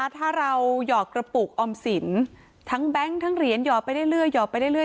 ถ้าเราหยอดกระปุกออมสินทั้งแบงค์ทั้งเหรียญหยอดไปเรื่อยหยอดไปเรื่อย